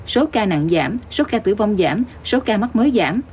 số ca nặng giảm số ca tử vong giảm số ca mắc mới giảm